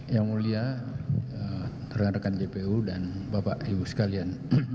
yang mulia rekan rekan jpu dan bapak ibu sekalian